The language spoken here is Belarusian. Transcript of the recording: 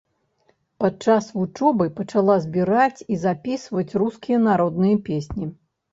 Падчас вучобы пачала збіраць і запісваць рускія народныя песні.